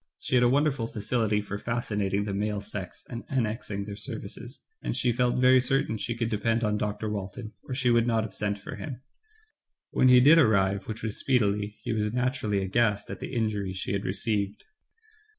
She had a wonderful facility for fascinating the male sex and annexing their services, and she felt very certain she could depend on Dr. Walton, or she would not have sent for him. When he did arrive, which was speedily, he was naturally aghast at the injury she had re ceived.